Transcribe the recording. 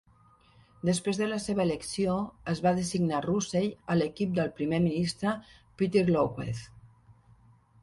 Després de la seva elecció, es va designar Russell a l'equip del Primer Ministre Peter Lougheed.